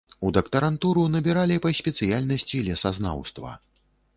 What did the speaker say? У дактарантуру набіралі па спецыяльнасці лесазнаўства.